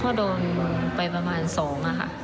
ก็โดนไปประมาณ๒ค่ะ